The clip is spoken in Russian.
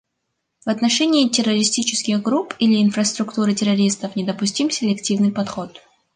В отношении террористических групп или инфраструктуры террористов недопустим селективный подход.